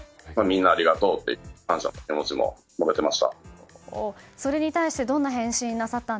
みんなありがとうって感謝の気持ちも述べていました。